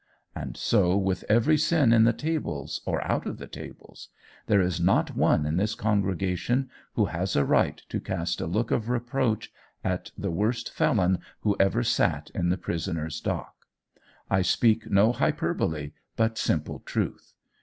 And so with every sin in the tables or out of the tables. There is not one in this congregation who has a right to cast a look of reproach at the worst felon who ever sat in the prisoners' dock. I speak no hyperbole, but simple truth.